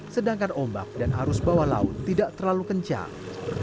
sedangkan ombak dan arus bawah laut tidak terlalu kencang